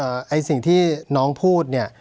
ไอ้สิ่งที่น้องพูดเนี่ย